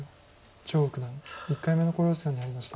張栩九段１回目の考慮時間に入りました。